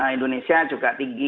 indonesia juga tinggi